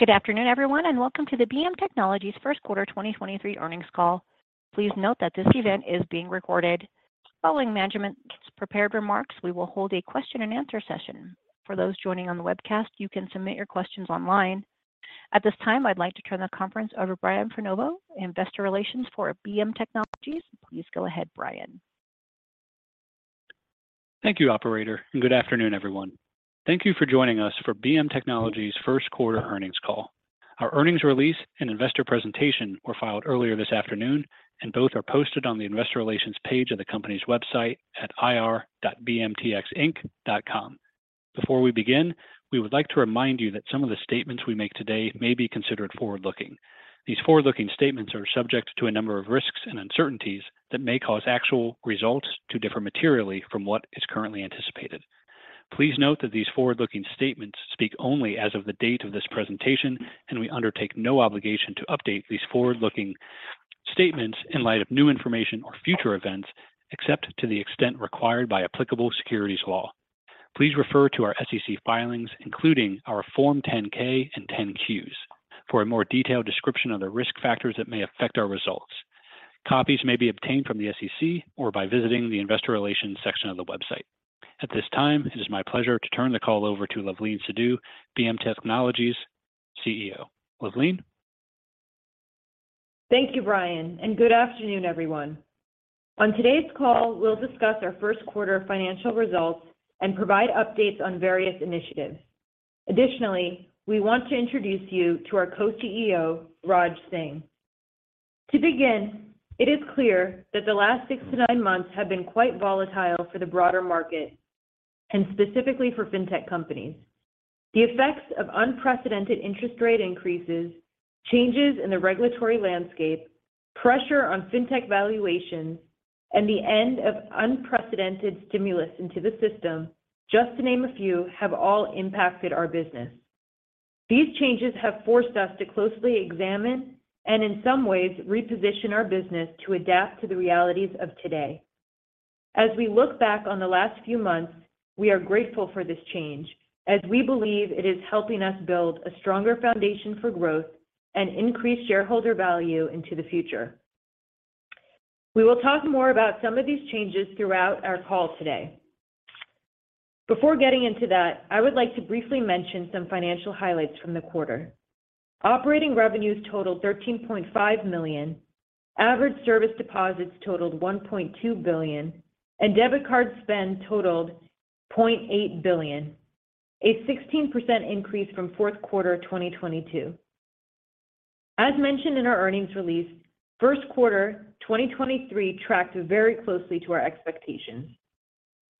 Good afternoon, everyone, welcome to the BM Technologies first quarter 2023 earnings call. Please note that this event is being recorded. Following management's prepared remarks, we will hold a question and answer session. For those joining on the webcast, you can submit your questions online. At this time, I'd like to turn the conference over Brian Prenoveau, investor relations for BM Technologies. Please go ahead, Brian. Thank you, Operator, and good afternoon, everyone. Thank you for joining us for BM Technologies 1st quarter earnings call. Our earnings release and investor presentation were filed earlier this afternoon, and both are posted on the investor relations page of the company's website at ir.bmtxinc.com. Before we begin, we would like to remind you that some of the statements we make today may be considered forward-looking. These forward-looking statements are subject to a number of risks and uncertainties that may cause actual results to differ materially from what is currently anticipated. Please note that these forward-looking statements speak only as of the date of this presentation, and we undertake no obligation to update these forward-looking statements in light of new information or future events, except to the extent required by applicable securities law. Please refer to our SEC filings, including our Form 10-K and 10-Qs for a more detailed description of the risk factors that may affect our results. Copies may be obtained from the SEC or by visiting the investor relations section of the website. At this time, it is my pleasure to turn the call over to Luvleen Sidhu, BM Technologies CEO. Luvleen. Thank you, Brian. Good afternoon, everyone. On today's call, we'll discuss our first quarter financial results and provide updates on various initiatives. Additionally, we want to introduce you to our Co-CEO, Raj Singh. To begin, it is clear that the last six to nine months have been quite volatile for the broader market and specifically for fintech companies. The effects of unprecedented interest rate increases, changes in the regulatory landscape, pressure on fintech valuations, and the end of unprecedented stimulus into the system, just to name a few, have all impacted our business. These changes have forced us to closely examine and in some ways reposition our business to adapt to the realities of today. As we look back on the last few months, we are grateful for this change as we believe it is helping us build a stronger foundation for growth and increase shareholder value into the future. We will talk more about some of these changes throughout our call today. Before getting into that, I would like to briefly mention some financial highlights from the quarter. Operating revenues totaled $13.5 million, average service deposits totaled $1.2 billion, and debit card spend totaled $0.8 billion, a 16% increase from fourth quarter 2022. As mentioned in our earnings release, first quarter 2023 tracked very closely to our expectations.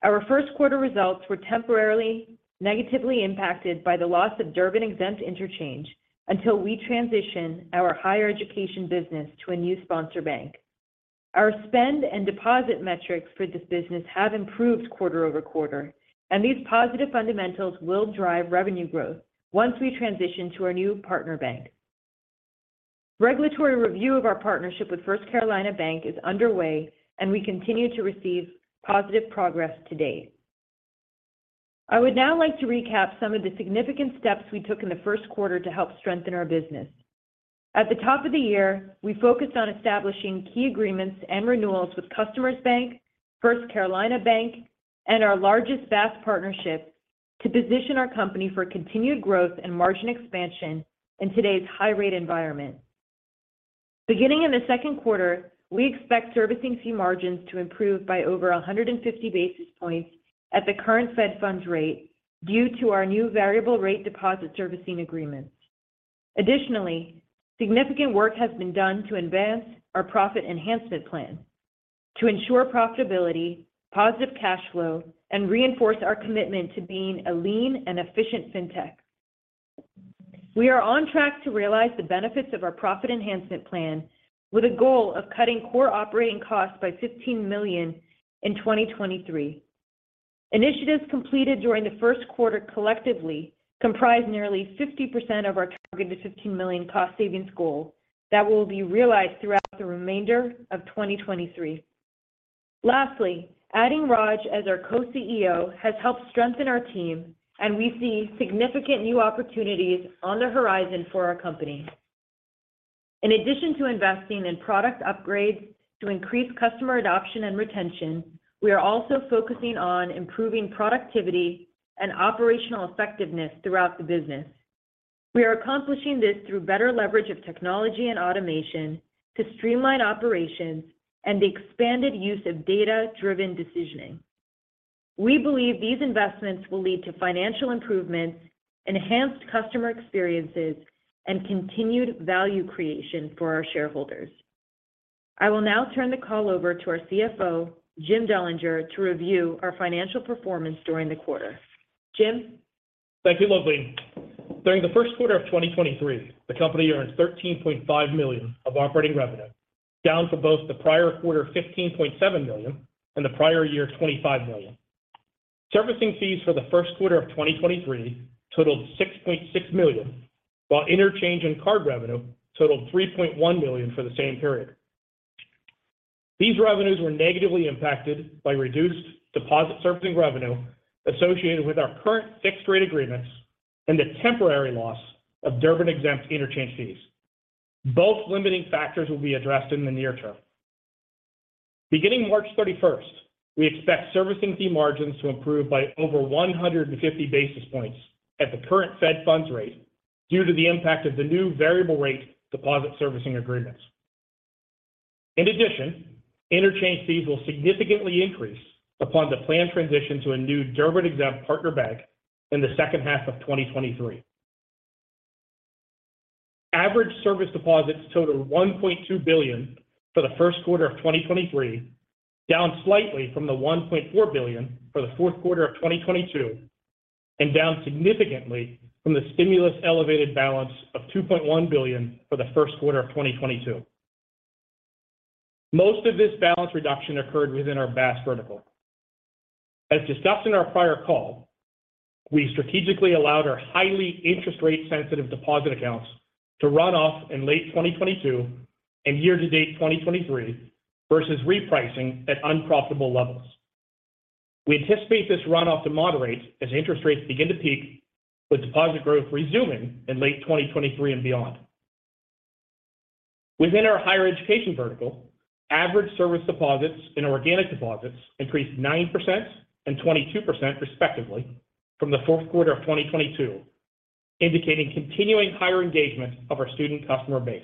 Our first quarter results were temporarily negatively impacted by the loss of Durbin-exempt interchange until we transition our higher education business to a new sponsor bank. Our spend and deposit metrics for this business have improved quarter-over-quarter. These positive fundamentals will drive revenue growth once we transition to our new partner bank. Regulatory review of our partnership with First Carolina Bank is underway. We continue to receive positive progress to date. I would now like to recap some of the significant steps we took in the first quarter to help strengthen our business. At the top of the year, we focused on establishing key agreements and renewals with Customers Bank, First Carolina Bank, and our largest BaaS partnership to position our company for continued growth and margin expansion in today's high rate environment. Beginning in the second quarter, we expect servicing fee margins to improve by over 150 basis points at the current Fed funds rate due to our new variable rate deposit servicing agreements. Additionally, significant work has been done to advance our Profit Enhancement Plan to ensure profitability, positive cash flow, and reinforce our commitment to being a lean and efficient fintech. We are on track to realize the benefits of our Profit Enhancement Plan with a goal of cutting core operating costs by $15 million in 2023. Initiatives completed during the first quarter collectively comprise nearly 50% of our target to $15 million cost savings goal that will be realized throughout the remainder of 2023. Lastly, adding Raj as our Co-CEO has helped strengthen our team. We see significant new opportunities on the horizon for our company. In addition to investing in product upgrades to increase customer adoption and retention, we are also focusing on improving productivity and operational effectiveness throughout the business. We are accomplishing this through better leverage of technology and automation to streamline operations and the expanded use of data-driven decisioning. We believe these investments will lead to financial improvements, enhanced customer experiences, and continued value creation for our shareholders. I will now turn the call over to our CFO, Jim Dullinger, to review our financial performance during the quarter. Jim. Thank you, Luvleen. During the first quarter of 2023, the company earned $13.5 million of operating revenue, down from both the prior quarter $15.7 million and the prior year $25 million. Servicing fees for the first quarter of 2023 totaled $6.6 million, while interchange and card revenue totaled $3.1 million for the same period. These revenues were negatively impacted by reduced deposit servicing revenue associated with our current fixed-rate agreements and the temporary loss of Durbin-exempt interchange fees. Both limiting factors will be addressed in the near term. Beginning March 31st, we expect servicing fee margins to improve by over 150 basis points at the current Fed funds rate due to the impact of the new variable rate deposit servicing agreements. Interchange fees will significantly increase upon the planned transition to a new Durbin-exempt partner bank in the second half of 2023. Average service deposits totaled $1.2 billion for the first quarter of 2023, down slightly from the $1.4 billion for the fourth quarter of 2022, and down significantly from the stimulus-elevated balance of $2.1 billion for the first quarter of 2022. Most of this balance reduction occurred within our BaaS vertical. As discussed in our prior call, we strategically allowed our highly interest rate-sensitive deposit accounts to run off in late 2022 and year-to-date 2023 versus repricing at unprofitable levels. We anticipate this runoff to moderate as interest rates begin to peak, with deposit growth resuming in late 2023 and beyond. Within our higher education vertical, average service deposits and organic deposits increased 9% and 22% respectively from the fourth quarter of 2022, indicating continuing higher engagement of our student customer base.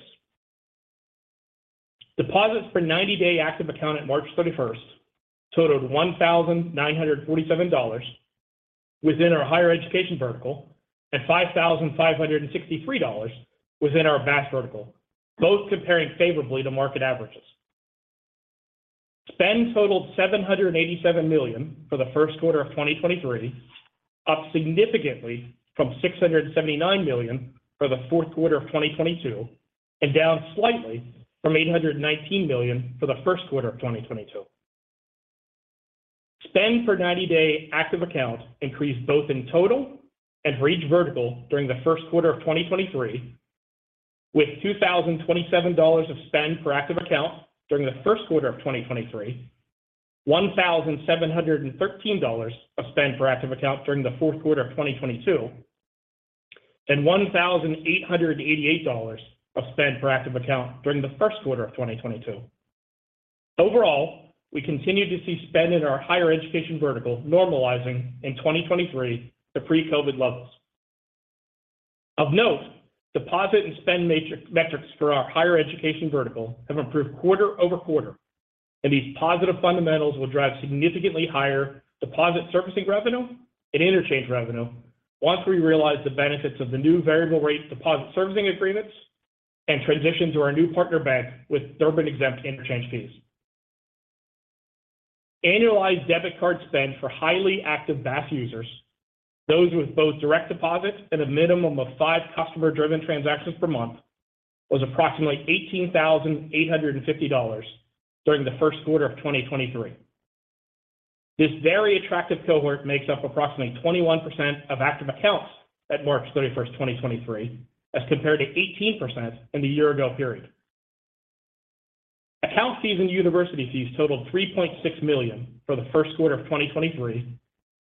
Deposits for 90-day active account at March 31st totaled $1,947 within our higher education vertical and $5,563 within our BaaS vertical, both comparing favorably to market averages. Spend totaled $787 million for the first quarter of 2023, up significantly from $679 million for the fourth quarter of 2022 and down slightly from $819 million for the first quarter of 2022. Spend per 90-day active account increased both in total and for each vertical during the first quarter of 2023, with $2,027 of spend per active account during the first quarter of 2023, $1,713 of spend per active account during the fourth quarter of 2022, and $1,888 of spend per active account during the first quarter of 2022. Overall, we continue to see spend in our higher education vertical normalizing in 2023 to pre-COVID levels. Of note, deposit and spend metrics for our higher education vertical have improved quarter-over-quarter. These positive fundamentals will drive significantly higher deposit servicing revenue and interchange revenue once we realize the benefits of the new variable rate deposit servicing agreements and transition to our new partner bank with Durbin-exempt interchange fees. Annualized debit card spend for highly active BaaS users, those with both direct deposits and a minimum of five customer-driven transactions per month, was approximately $18,850 during the first quarter of 2023. This very attractive cohort makes up approximately 21% of active accounts at March 31st, 2023, as compared to 18% in the year-ago period. Account fees and university fees totaled $3.6 million for the first quarter of 2023,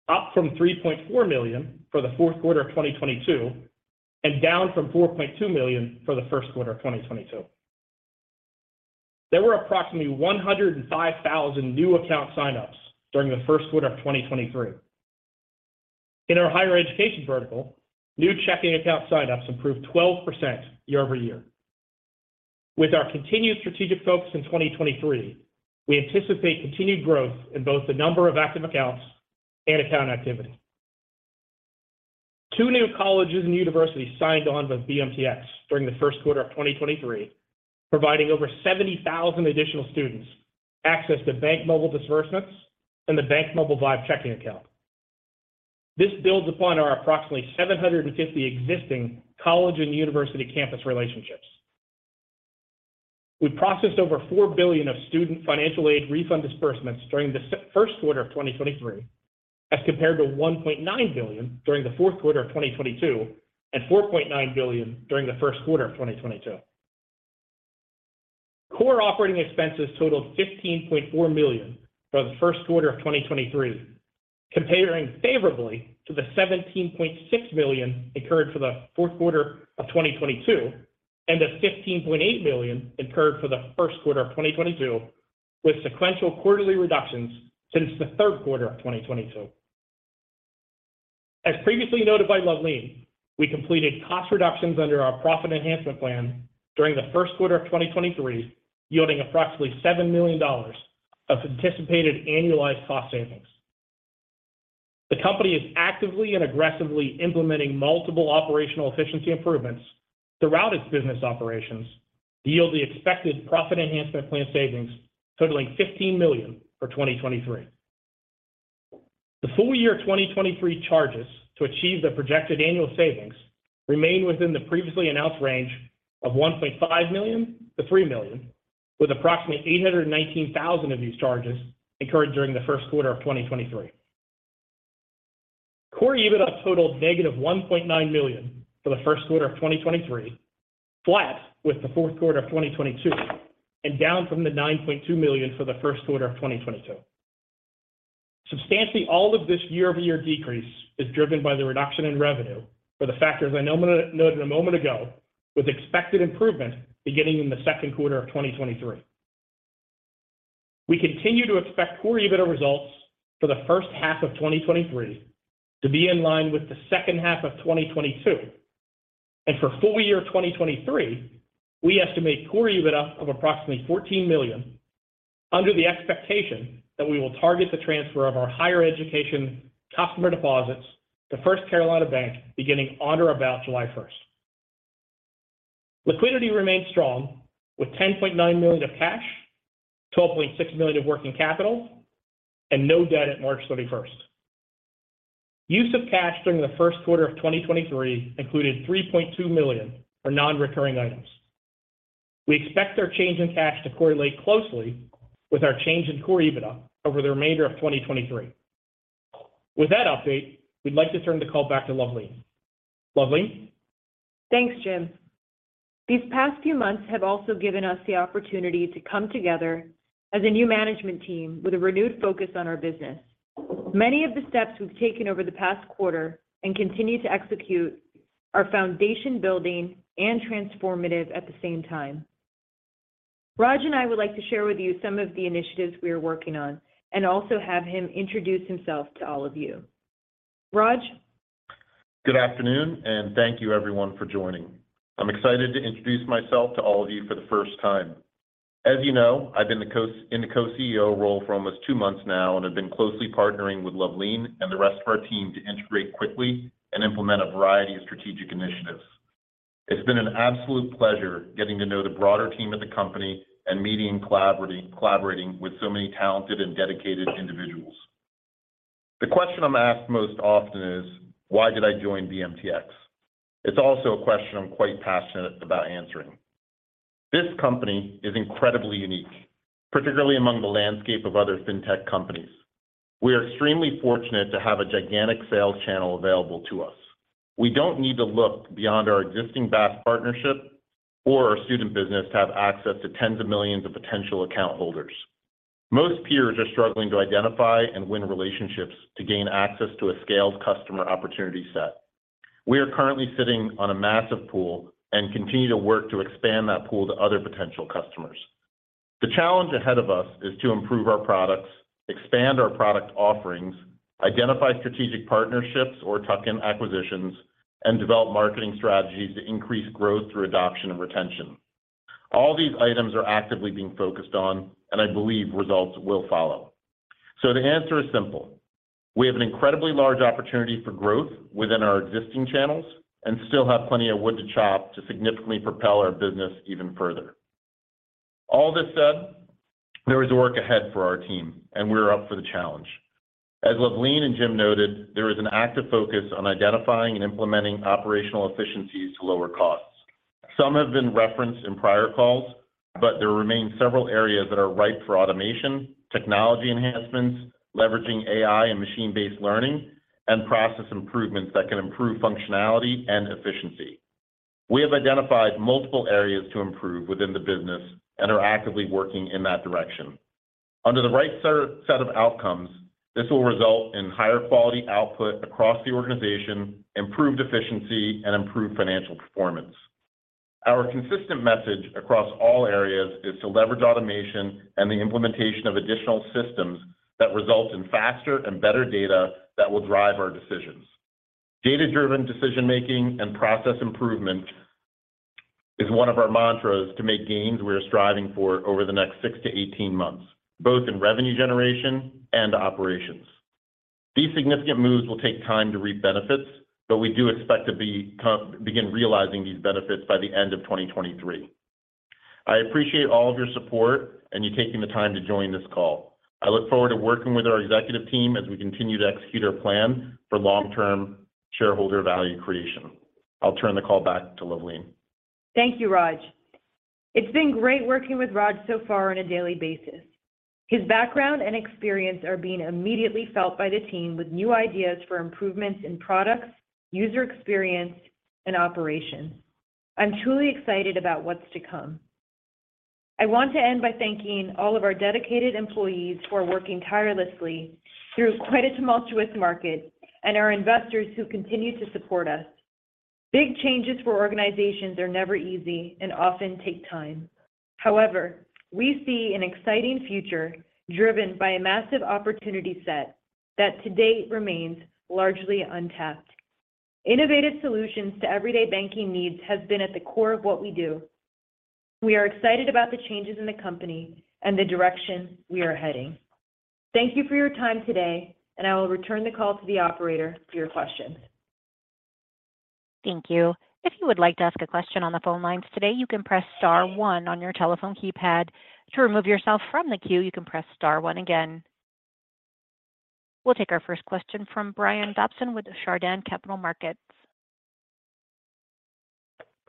up from $3.4 million for the fourth quarter of 2022 and down from $4.2 million for the first quarter of 2022. There were approximately 105,000 new account sign-ups during the first quarter of 2023. In our higher education vertical, new checking account sign-ups improved 12% year-over-year. With our continued strategic focus in 2023, we anticipate continued growth in both the number of active accounts and account activity. Two new colleges and universities signed on with BMTX during the first quarter of 2023, providing over 70,000 additional students access to BankMobile disbursements and the BankMobile Vibe checking account. This builds upon our approximately 750 existing college and university campus relationships. We processed over $4 billion of student financial aid refund disbursements during the first quarter of 2023, as compared to $1.9 billion during the fourth quarter of 2022 and $4.9 billion during the first quarter of 2022. Core operating expenses totaled $15.4 million for the first quarter of 2023, comparing favorably to the $17.6 million incurred for the fourth quarter of 2022 and the $15.8 million incurred for the first quarter of 2022, with sequential quarterly reductions since the third quarter of 2022. As previously noted by Luvleen, we completed cost reductions under our Profit Enhancement Plan during the first quarter of 2023, yielding approximately $7 million of anticipated annualized cost savings. The company is actively and aggressively implementing multiple operational efficiency improvements throughout its business operations to yield the expected Profit Enhancement Plan savings totaling $15 million for 2023. The full year 2023 charges to achieve the projected annual savings remain within the previously announced range of $1.5 million-$3 million, with approximately $819,000 of these charges incurred during the first quarter of 2023. Core EBITDA totaled negative $1.9 million for the first quarter of 2023, flat with the fourth quarter of 2022, and down from the $9.2 million for the first quarter of 2022. Substantially all of this year-over-year decrease is driven by the reduction in revenue for the factors I know noted a moment ago, with expected improvement beginning in the second quarter of 2023. We continue to expect Core EBITDA results for the first half of 2023 to be in line with the second half of 2022. For full year 2023, we estimate Core EBITDA of approximately $14 million under the expectation that we will target the transfer of our higher education customer deposits to First Carolina Bank beginning on or about July 1st. Liquidity remained strong with $10.9 million of cash, $12.6 million of working capital, and no debt at March 31st. Use of cash during the 1st quarter of 2023 included $3.2 million for non-recurring items. We expect our change in cash to correlate closely with our change in Core EBITDA over the remainder of 2023. With that update, we'd like to turn the call back to Luvleen. Luvleen? Thanks, Jim. These past few months have also given us the opportunity to come together as a new management team with a renewed focus on our business. Many of the steps we've taken over the past quarter and continue to execute are foundation-building and transformative at the same time. Raj and I would like to share with you some of the initiatives we are working on, and also have him introduce himself to all of you. Raj? Good afternoon. Thank you everyone for joining. I'm excited to introduce myself to all of you for the first time. As you know, I've been in the Co-CEO role for almost two months now and have been closely partnering with Luvleen and the rest of our team to integrate quickly and implement a variety of strategic initiatives. It's been an absolute pleasure getting to know the broader team at the company and meeting, collaborating with so many talented and dedicated individuals. The question I'm asked most often is, why did I join BMTX? It's also a question I'm quite passionate about answering. This company is incredibly unique, particularly among the landscape of other fintech companies. We are extremely fortunate to have a gigantic sales channel available to us. We don't need to look beyond our existing BaaS partnership or our student business to have access to tens of millions of potential account holders. Most peers are struggling to identify and win relationships to gain access to a scaled customer opportunity set. We are currently sitting on a massive pool and continue to work to expand that pool to other potential customers. The challenge ahead of us is to improve our products, expand our product offerings, identify strategic partnerships or tuck-in acquisitions, and develop marketing strategies to increase growth through adoption and retention. All these items are actively being focused on, and I believe results will follow. The answer is simple. We have an incredibly large opportunity for growth within our existing channels and still have plenty of wood to chop to significantly propel our business even further. All this said, there is work ahead for our team, and we're up for the challenge. As Luvleen and Jim noted, there is an active focus on identifying and implementing operational efficiencies to lower costs. Some have been referenced in prior calls, but there remain several areas that are ripe for automation, technology enhancements, leveraging AI and machine-based learning, and process improvements that can improve functionality and efficiency. We have identified multiple areas to improve within the business and are actively working in that direction. Under the right set of outcomes, this will result in higher quality output across the organization, improved efficiency, and improved financial performance. Our consistent message across all areas is to leverage automation and the implementation of additional systems that result in faster and better data that will drive our decisions. Data-driven decision-making and process improvement is one of our mantras to make gains we are striving for over the next six to 18 months, both in revenue generation and operations. These significant moves will take time to reap benefits, we do expect to begin realizing these benefits by the end of 2023. I appreciate all of your support and you taking the time to join this call. I look forward to working with our executive team as we continue to execute our plan for long-term shareholder value creation. I'll turn the call back to Luvleen. Thank you, Raj. It's been great working with Raj so far on a daily basis. His background and experience are being immediately felt by the team with new ideas for improvements in products, user experience, and operations. I'm truly excited about what's to come. I want to end by thanking all of our dedicated employees who are working tirelessly through quite a tumultuous market and our investors who continue to support us. Big changes for organizations are never easy and often take time. However, we see an exciting future driven by a massive opportunity set that to date remains largely untapped. Innovative solutions to everyday banking needs has been at the core of what we do. We are excited about the changes in the company and the direction we are heading. Thank you for your time today, and I will return the call to the operator for your questions. Thank you. If you would like to ask a question on the phone lines today, you can press star one on your telephone keypad. To remove yourself from the queue, you can press star one again. We'll take our first question from Brian Dobson with Chardan Capital Markets.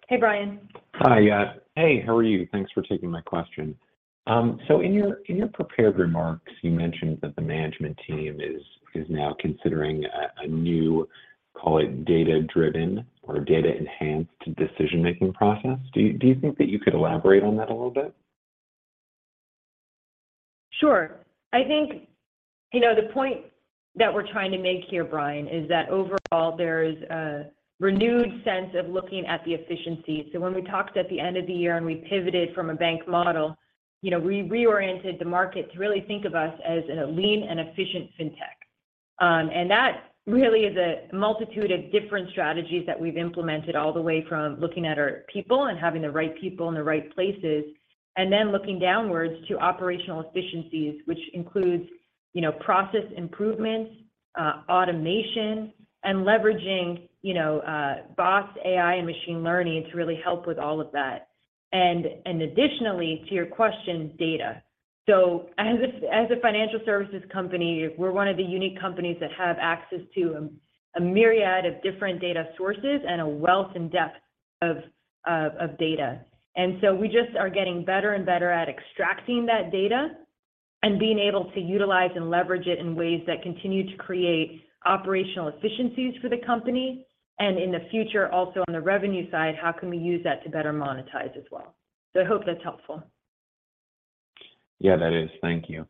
Hey, Brian. Hi. Yeah. Hey, how are you? Thanks for taking my question. In your prepared remarks, you mentioned that the management team is now considering a new, call it data-driven or data-enhanced decision-making process. Do you think that you could elaborate on that a little bit? Sure. I think, you know, the point that we're trying to make here, Brian, is that overall, there's a renewed sense of looking at the efficiency. When we talked at the end of the year and we pivoted from a bank model, you know, we reoriented the market to really think of us as a lean and efficient fintech. That really is a multitude of different strategies that we've implemented all the way from looking at our people and having the right people in the right places, and then looking downwards to operational efficiencies, which includes, you know, process improvements, automation and leveraging, you know, [BOSS AI] and machine learning to really help with all of that. Additionally to your question, data. As a financial services company, we're one of the unique companies that have access to a myriad of different data sources and a wealth and depth of data. We just are getting better and better at extracting that data and being able to utilize and leverage it in ways that continue to create operational efficiencies for the company. In the future also on the revenue side, how can we use that to better monetize as well? I hope that's helpful. Yeah, that is. Thank you.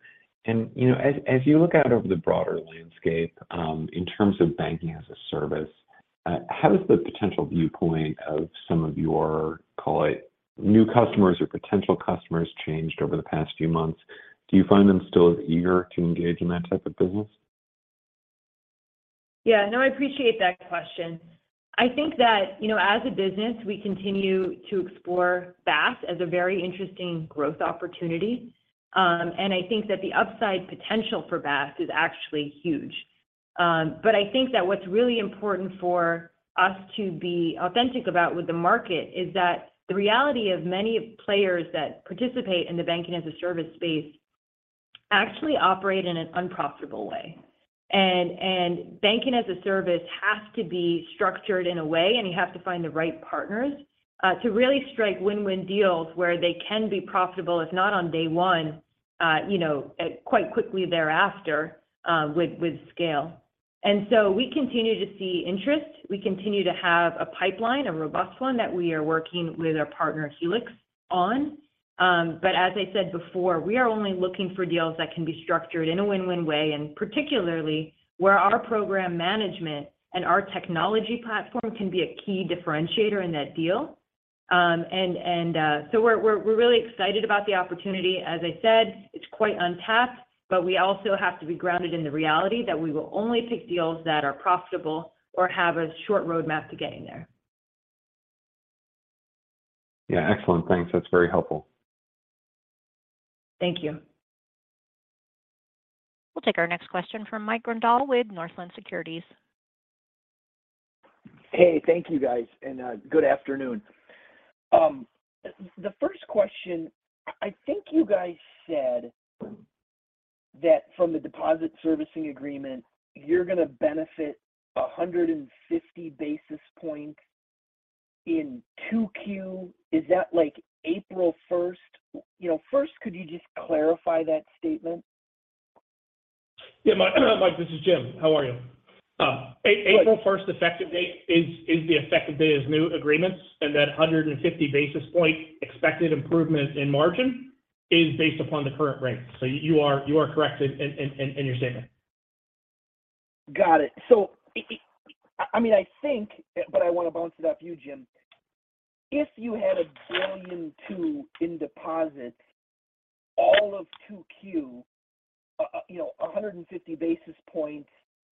You know, as you look out over the broader landscape, in terms of Banking-as-a-Service, how does the potential viewpoint of some of your, call it new customers or potential customers changed over the past few months? Do you find them still as eager to engage in that type of business? Yeah, no, I appreciate that question. I think that, you know, as a business, we continue to explore BaaS as a very interesting growth opportunity. I think that the upside potential for BaaS is actually huge. I think that what's really important for us to be authentic about with the market is that the reality of many players that participate in the Banking-as-a-Service space actually operate in an unprofitable way. Banking-as-a-Service has to be structured in a way, and you have to find the right partners to really strike win-win deals where they can be profitable, if not on day one, you know, quite quickly thereafter with scale. We continue to see interest. We continue to have a pipeline, a robust one that we are working with our partner Helix on. As I said before, we are only looking for deals that can be structured in a win-win way, and particularly where our program management and our technology platform can be a key differentiator in that deal. So we're really excited about the opportunity. As I said, it's quite untapped, but we also have to be grounded in the reality that we will only pick deals that are profitable or have a short roadmap to getting there. Yeah. Excellent. Thanks. That's very helpful. Thank you. We'll take our next question from Mike Grondahl with Northland Securities. Hey, thank you guys, good afternoon. The first question, I think you guys said that from the deposit servicing agreement, you're going to benefit 150 basis points in 2Q. Is that like April 1st? You know, first, could you just clarify that statement? Yeah, Mike. Mike, this is Jim. How are you? April 1st effective date is the effective date of new agreements, and that 150 basis point expected improvement in margin is based upon the current rates. You are correct in your statement. Got it. I mean, I think, but I want to bounce it off you, Jim. If you had $1.2 billion in deposits all of 2Q, you know, 150 basis points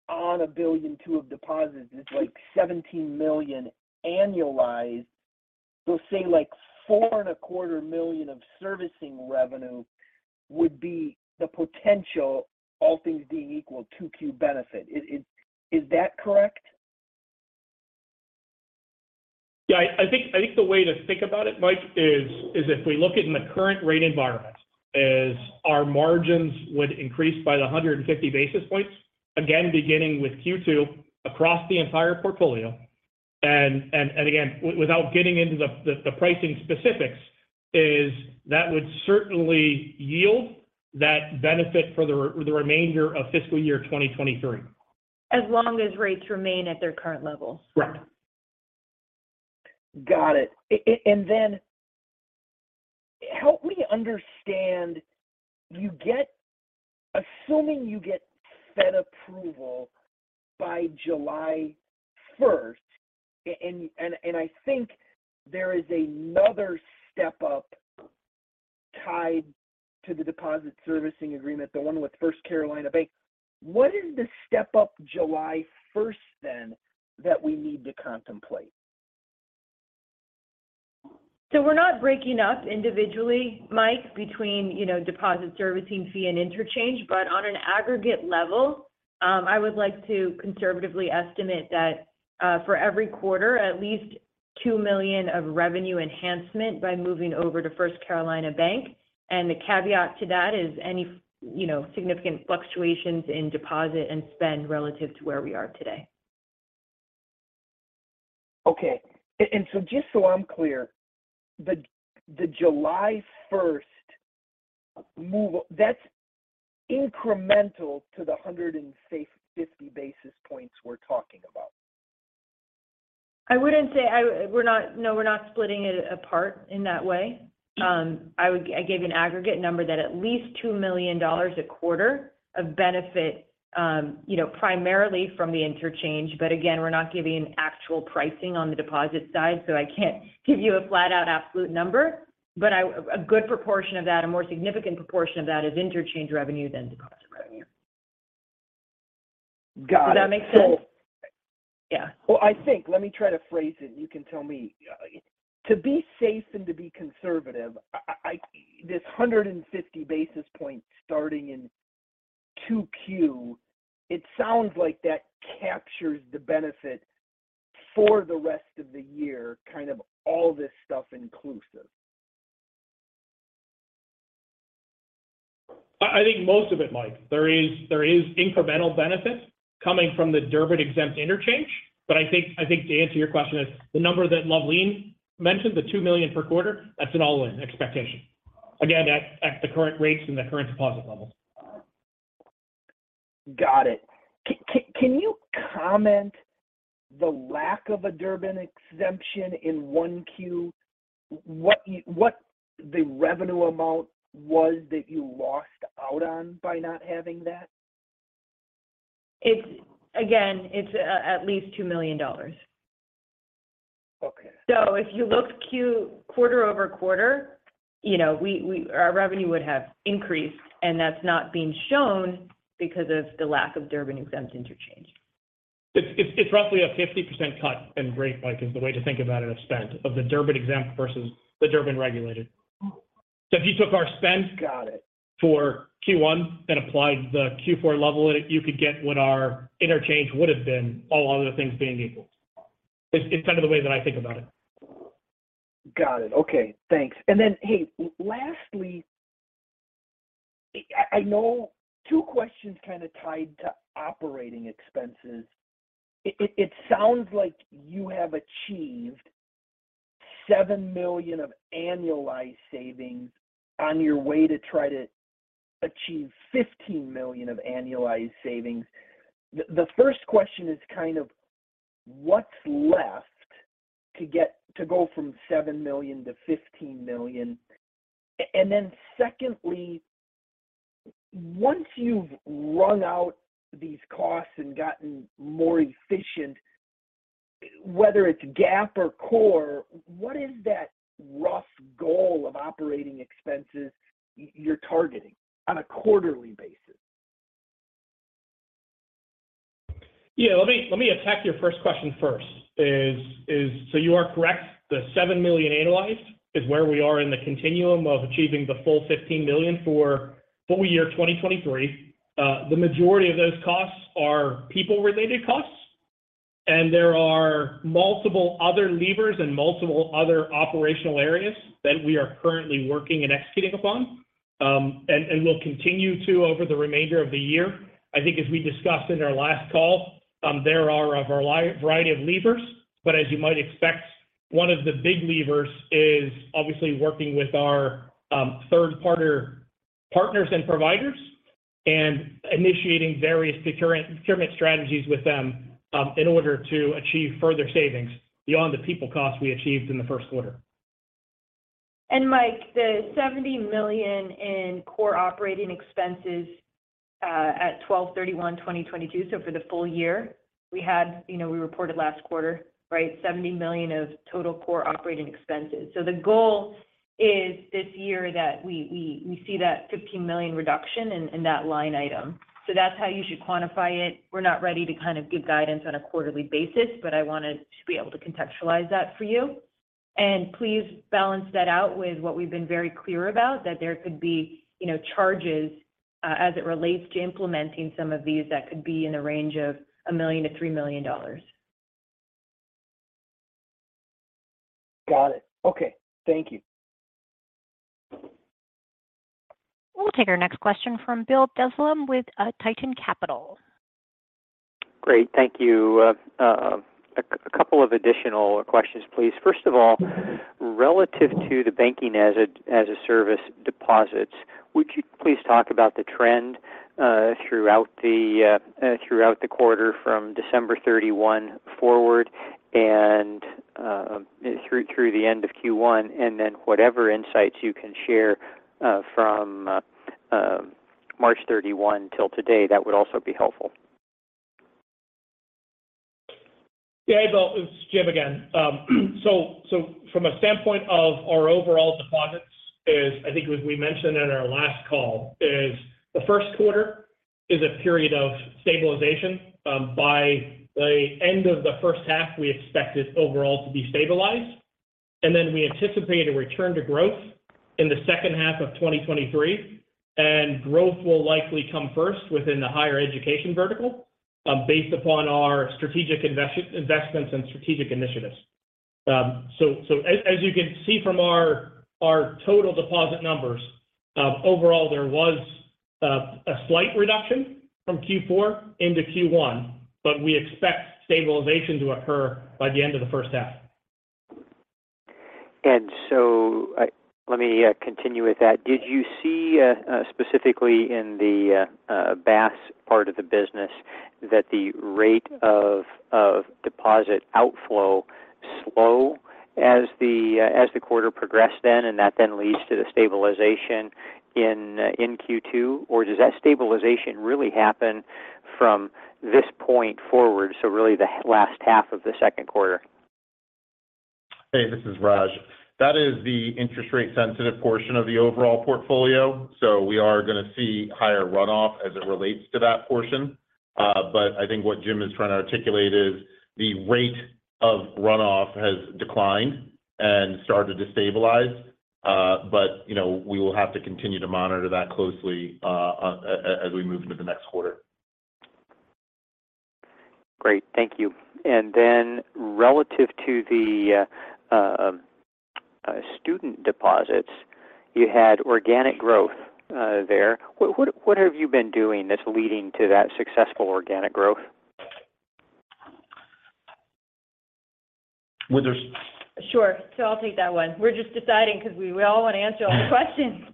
on $1.2 billion of deposits is like $17 million annualized. We're seeing like $4.25 million of servicing revenue would be the potential, all things being equal, 2Q benefit. Is that correct? Yeah. I think the way to think about it, Mike, is if we look in the current rate environment is our margins would increase by the 150 basis points, again, beginning with Q2 across the entire portfolio. Again, without getting into the pricing specifics, is that would certainly yield that benefit for the remainder of fiscal year 2023. As long as rates remain at their current levels. Right. Got it. Then help me understand, assuming you get Fed approval by July 1st, and I think there is another step up tied to the deposit servicing agreement, the one with First Carolina Bank. What is the step up July 1st then that we need to contemplate? We're not breaking up individually, Mike, between, you know, deposit servicing fee and interchange. On an aggregate level, I would like to conservatively estimate that for every quarter, at least $2 million of revenue enhancement by moving over to First Carolina Bank. The caveat to that is any you know, significant fluctuations in deposit and spend relative to where we are today. Okay. Just so I'm clear, the July first move, that's incremental to the 150 basis points we're talking about? I wouldn't say. No, we're not splitting it apart in that way. I gave you an aggregate number that at least $2 million a quarter of benefit, you know, primarily from the interchange. Again, we're not giving actual pricing on the deposit side, so I can't give you a flat-out absolute number. A good proportion of that, a more significant proportion of that is interchange revenue than deposit revenue. Got it. Does that make sense? Yeah. Well, I think. Let me try to phrase it, and you can tell me. To be safe and to be conservative, I this 150 basis points starting in 2Q, it sounds like that captures the benefit for the rest of the year, kind of all this stuff inclusive. I think most of it might. There is incremental benefits coming from the Durbin-exempt interchange. I think to answer your question is, the number that Luvleen mentioned, the $2 million per quarter, that's an all-in expectation. Again, at the current rates and the current deposit levels. Got it. Can you comment the lack of a Durbin exemption in 1Q? What the revenue amount was that you lost out on by not having that? Again, it's at least $2 million. Okay. If you look quarter-over-quarter, you know, we our revenue would have increased, and that's not being shown because of the lack of Durbin-exempt interchange. It's roughly a 50% cut in break, Mike, is the way to think about it in spend of the Durbin-exempt versus the Durbin-regulated. If you took our spend. Got it. For Q1, then applied the Q4 level in it, you could get what our interchange would have been all other things being equal. It's kind of the way that I think about it. Got it. Okay, thanks. Hey, lastly, I know two questions kind of tied to operating expenses. It sounds like you have achieved $7 million of annualized savings on your way to try to achieve $15 million of annualized savings. The first question is kind of what's left to go from $7 million-$15 million? Secondly, once you've rung out these costs and gotten more efficient, whether it's GAAP or core, what is that rough goal of operating expenses you're targeting on a quarterly basis? Yeah. Let me attack your first question first. You are correct, the $7 million annualized is where we are in the continuum of achieving the full $15 million for full year 2023. The majority of those costs are people-related costs, there are multiple other levers and multiple other operational areas that we are currently working and executing upon, and will continue to over the remainder of the year. I think as we discussed in our last call, there are a variety of levers. As you might expect, one of the big levers is obviously working with our third partners and providers and initiating various procurement strategies with them, in order to achieve further savings beyond the people cost we achieved in the first quarter. Mike, the $70 million in core operating expenses, at 12/31/2022, for the full year, we had, you know, we reported last quarter, right, $70 million of total core operating expenses. The goal is this year that we see that $15 million reduction in that line item. That's how you should quantify it. We're not ready to kind of give guidance on a quarterly basis, but I wanted to be able to contextualize that for you. Please balance that out with what we've been very clear about, that there could be, you know, charges, as it relates to implementing some of these that could be in the range of $1 million-$3 million. Got it. Okay. Thank you. We'll take our next question from Bill Dezellem with Tieton Capital. Great. Thank you. A couple of additional questions, please. First of all. Mm-hmm. Relative to the Banking-as-a-Service deposits, would you please talk about the trend throughout the quarter from December 31 forward and through the end of Q1, and then whatever insights you can share from March 31 till today, that would also be helpful. Yeah. Bill, it's Jim again. From a standpoint of our overall deposits is, I think as we mentioned in our last call, is the first quarter is a period of stabilization. By the end of the first half, we expect it overall to be stabilized. We anticipate a return to growth in the second half of 2023, and growth will likely come first within the higher education vertical, based upon our strategic investments and strategic initiatives. As you can see from our total deposit numbers, overall there was a slight reduction from Q4 into Q1, but we expect stabilization to occur by the end of the first half. Let me continue with that. Did you see specifically in the BaaS part of the business that the rate of deposit outflow slow as the quarter progressed then, and that then leads to the stabilization in Q2? Does that stabilization really happen from this point forward, so really the last half of the second quarter? Hey, this is Raj. That is the interest rate sensitive portion of the overall portfolio. We are gonna see higher runoff as it relates to that portion. I think what Jim is trying to articulate is the rate of runoff has declined and started to stabilize. You know, we will have to continue to monitor that closely as we move into the next quarter. Great. Thank you. Relative to the student deposits, you had organic growth there. What have you been doing that's leading to that successful organic growth? Well. Sure. I'll take that one. We're just deciding because we all want to answer all the questions.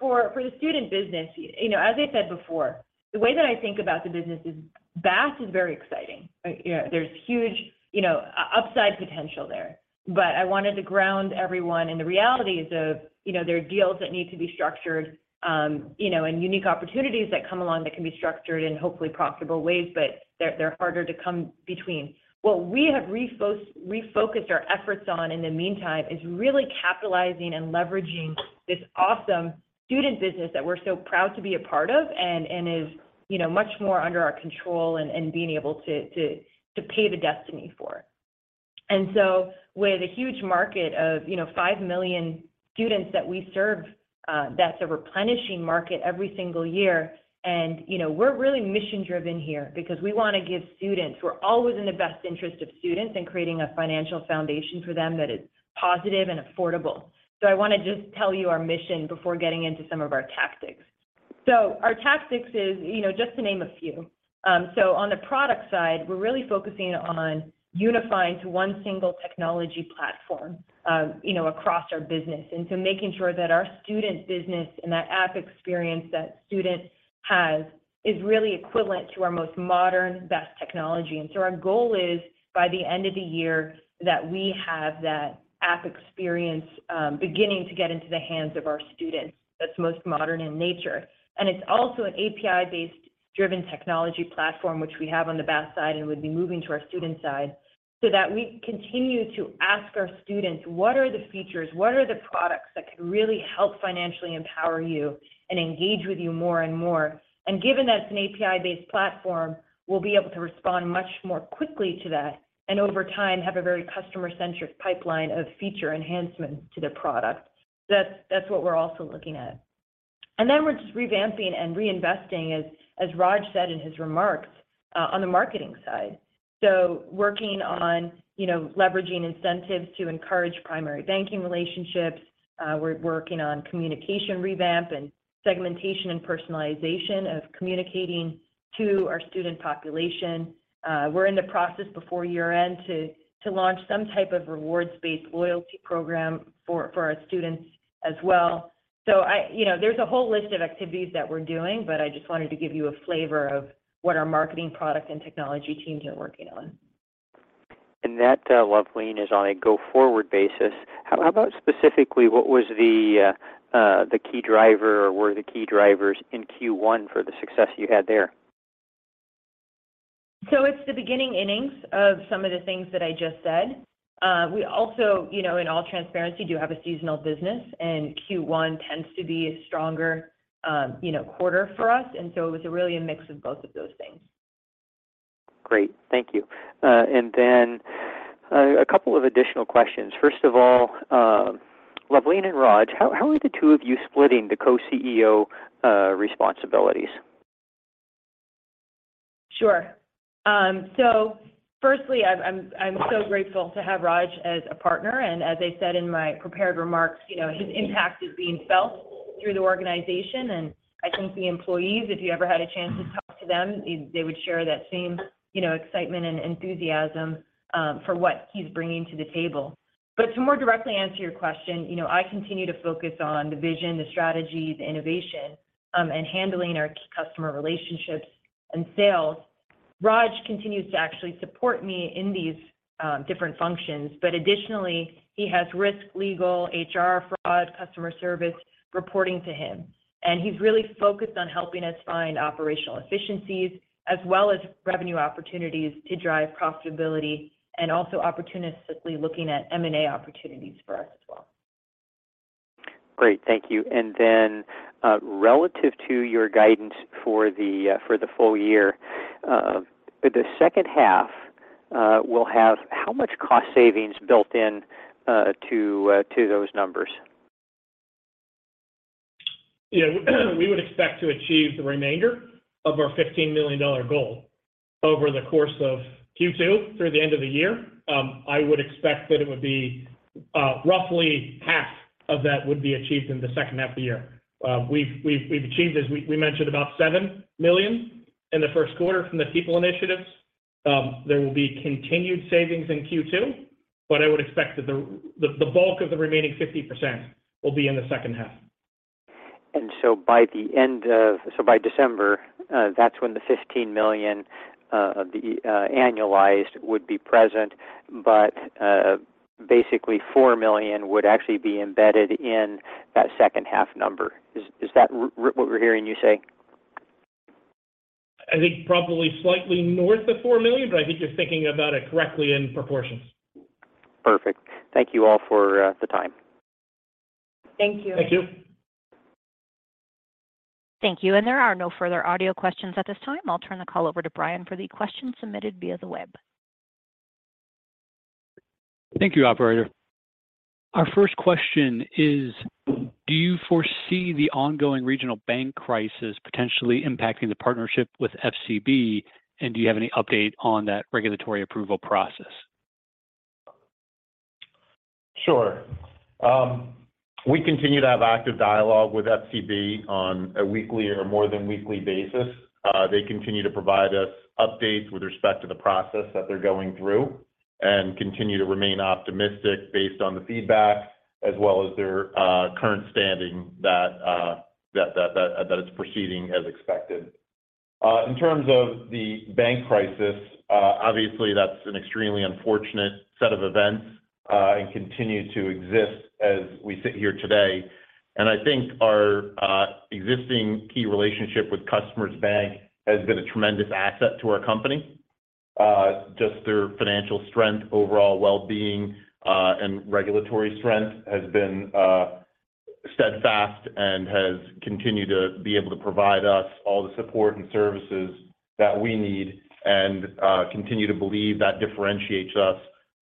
For the student business, you know, as I said before, the way that I think about the business is BaaS is very exciting. You know, there's huge, you know, upside potential there. But I wanted to ground everyone in the realities of, you know, there are deals that need to be structured, you know, and unique opportunities that come along that can be structured in hopefully profitable ways, but they're harder to come between. What we have refocused our efforts on in the meantime is really capitalizing and leveraging this awesome student business that we're so proud to be a part of and is, you know, much more under our control and being able to pay the destiny for. With a huge market of, you know, 5 million students that we serve, that's a replenishing market every single year. you know, we're really mission-driven here because we want to give we're always in the best interest of students and creating a financial foundation for them that is positive and affordable. I want to just tell you our mission before getting into some of our tactics. Our tactics is, you know, just to name a few. on the product side, we're really focusing on unifying to one single technology platform, you know, across our business. making sure that our student business and that app experience that student has is really equivalent to our most modern, best technology. Our goal is by the end of the year that we have that app experience beginning to get into the hands of our students that's most modern in nature. It's also an API-based driven technology platform, which we have on the BaaS side and would be moving to our student side, so that we continue to ask our students, what are the features? What are the products that could really help financially empower you and engage with you more and more? Given that it's an API-based platform, we'll be able to respond much more quickly to that and over time have a very customer-centric pipeline of feature enhancements to the product. That's what we're also looking at. Then we're just revamping and reinvesting, as Raj said in his remarks, on the marketing side. Working on, you know, leveraging incentives to encourage primary banking relationships. We're working on communication revamp and segmentation and personalization of communicating to our student population. We're in the process before year-end to launch some type of rewards-based loyalty program for our students as well. you know, there's a whole list of activities that we're doing, but I just wanted to give you a flavor of what our marketing product and technology teams are working on. That, Luvleen, is on a go-forward basis. How about specifically, what was the key driver or were the key drivers in Q1 for the success you had there? It's the beginning innings of some of the things that I just said. We also, you know, in all transparency, do have a seasonal business, and Q1 tends to be a stronger, you know, quarter for us. It was really a mix of both of those things. Great. Thank you. A couple of additional questions. First of all, Luvleen and Raj Singh, how are the two of you splitting the Co-CEO responsibilities? Sure. firstly, I'm so grateful to have Raj as a partner. As I said in my prepared remarks, you know, his impact is being felt through the organization. I think the employees, if you ever had a chance to talk to them, they would share that same, you know, excitement and enthusiasm for what he's bringing to the table. To more directly answer your question, you know, I continue to focus on the vision, the strategy, the innovation and handling our key customer relationships and sales. Raj continues to actually support me in these different functions, but additionally, he has risk, legal, HR, fraud, customer service reporting to him. He's really focused on helping us find operational efficiencies as well as revenue opportunities to drive profitability and also opportunistically looking at M&A opportunities for us as well. Great. Thank you. Then, relative to your guidance for the, for the full year, the second half, will have how much cost savings built in, to those numbers? You know, we would expect to achieve the remainder of our $15 million goal over the course of Q2 through the end of the year. I would expect that it would be roughly half of that would be achieved in the second half of the year. We've achieved as we mentioned about $7 million in the first quarter from the people initiatives. There will be continued savings in Q2, but I would expect that the bulk of the remaining 50% will be in the second half. By the end of December, that's when the $15 million, the annualized would be present. Basically $4 million would actually be embedded in that second half number. Is that what we're hearing you say? I think probably slightly north of $4 million, but I think you're thinking about it correctly in proportions. Perfect. Thank you all for, the time. Thank you. Thank you. Thank you. There are no further audio questions at this time. I'll turn the call over to Brian for the questions submitted via the web. Thank you, operator. Our first question is, do you foresee the ongoing regional bank crisis potentially impacting the partnership with FCB? Do you have any update on that regulatory approval process? Sure. We continue to have active dialogue with FCB on a weekly or more than weekly basis. They continue to provide us updates with respect to the process that they're going through, and continue to remain optimistic based on the feedback as well as their current standing that it's proceeding as expected. In terms of the bank crisis, obviously, that's an extremely unfortunate set of events, and continue to exist as we sit here today. I think our existing key relationship with Customers Bank has been a tremendous asset to our company. Just their financial strength, overall well-being, and regulatory strength has been steadfast and has continued to be able to provide us all the support and services that we need and continue to believe that differentiates us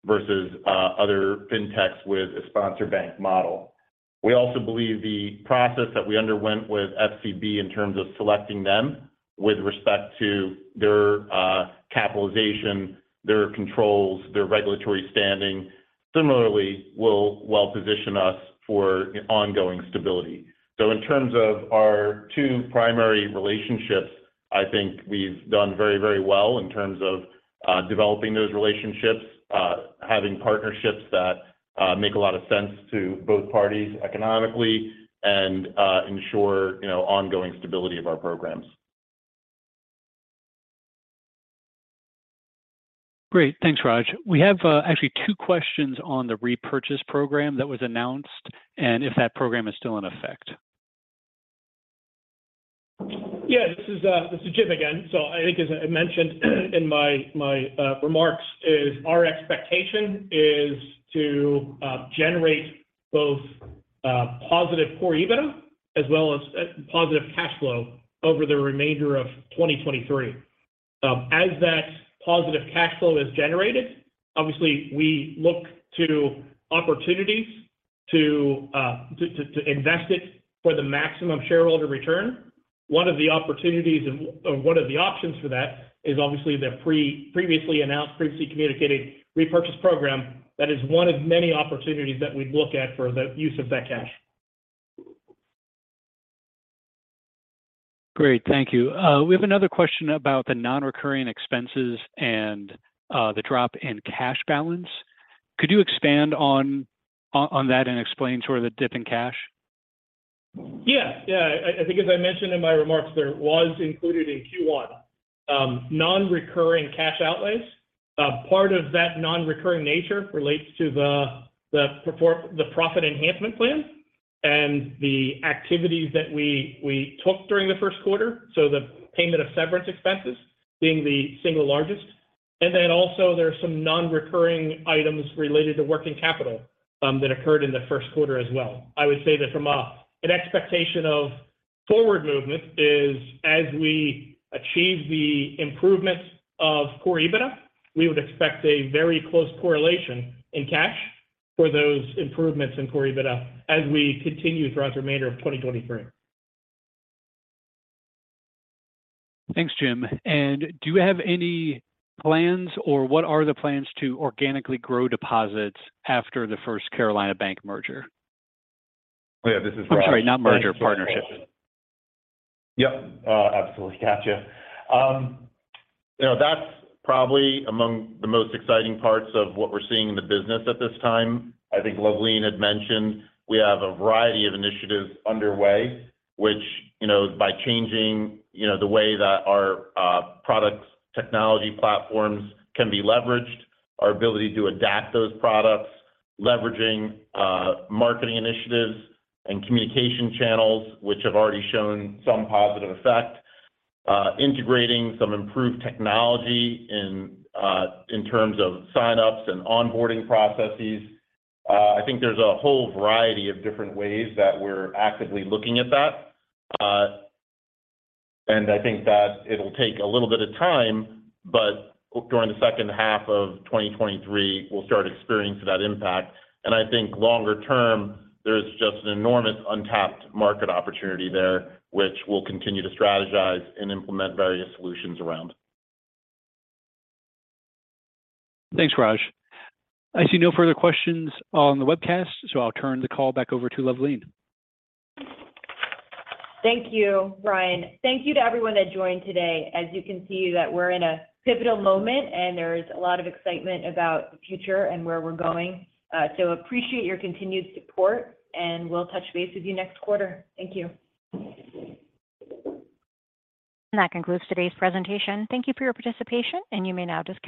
versus other fintechs with a sponsor bank model. We also believe the process that we underwent with FCB in terms of selecting them with respect to their capitalization, their controls, their regulatory standing, similarly will well position us for ongoing stability. In terms of our two primary relationships, I think we've done very, very well in terms of developing those relationships, having partnerships that make a lot of sense to both parties economically and ensure, you know, ongoing stability of our programs. Great. Thanks, Raj. We have, actually two questions on the repurchase program that was announced and if that program is still in effect. This is Jim again. I think as I mentioned in my remarks is our expectation is to generate both positive Core EBITDA as well as positive cash flow over the remainder of 2023. As that positive cash flow is generated, obviously, we look to opportunities to invest it for the maximum shareholder return. One of the opportunities and one of the options for that is obviously the previously announced, previously communicated repurchase program that is one of many opportunities that we'd look at for the use of that cash. Great, thank you. We have another question about the non-recurring expenses and the drop in cash balance. Could you expand on that and explain sort of the dip in cash? Yeah. Yeah. I think as I mentioned in my remarks, there was included in Q1 non-recurring cash outlays. Part of that non-recurring nature relates to the Profit Enhancement Plan and the activities that we took during the first quarter. The payment of severance expenses being the single largest. There are some non-recurring items related to working capital that occurred in the first quarter as well. I would say that from an expectation of forward movement is as we achieve the improvements of Core EBITDA, we would expect a very close correlation in cash for those improvements in Core EBITDA as we continue throughout the remainder of 2023. Thanks, Jim. Do you have any plans or what are the plans to organically grow deposits after the First Carolina Bank merger? Oh, yeah. This is. I'm sorry, not merger, partnership. Yep. Absolutely. Gotcha. You know, that's probably among the most exciting parts of what we're seeing in the business at this time. I think Luvleen had mentioned we have a variety of initiatives underway, which, you know, by changing, you know, the way that our products, technology platforms can be leveraged, our ability to adapt those products, leveraging marketing initiatives and communication channels, which have already shown some positive effect, integrating some improved technology in terms of sign-ups and onboarding processes. I think there's a whole variety of different ways that we're actively looking at that. I think that it'll take a little bit of time, but during the second half of 2023, we'll start experiencing that impact. I think longer term, there's just an enormous untapped market opportunity there, which we'll continue to strategize and implement various solutions around. Thanks, Raj. I see no further questions on the webcast, so I'll turn the call back over to Luvleen. Thank you, Brian. Thank you to everyone that joined today. As you can see that we're in a pivotal moment, and there is a lot of excitement about the future and where we're going. Appreciate your continued support and we'll touch base with you next quarter. Thank you. That concludes today's presentation. Thank you for your participation and you may now disconnect.